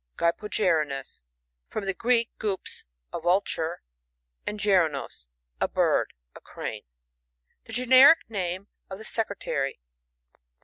GVpoGERANUs. From the Greek, ^tf/»s, ; a yulture, and geranos, a bird, ( a : Crane.) Generic name of the Sec retary.